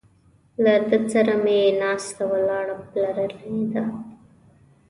له ده سره مې ناسته ولاړه پلرنۍ ده.